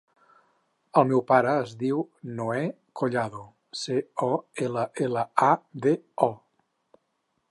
El meu pare es diu Noè Collado: ce, o, ela, ela, a, de, o.